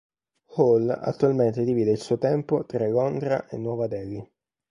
Hall Attualmente divide il suo tempo tra Londra e Nuova Delhi.